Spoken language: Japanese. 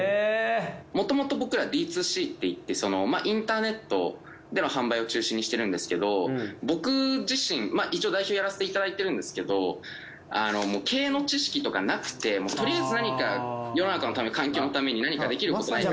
もともと僕らＢｔｏＣっていってインターネットでの販売を中心にしているんですけど僕自身一応代表やらせていただいているんですけど経営の知識とかなくてとりあえず何か世の中のため環境のために何かできることないか。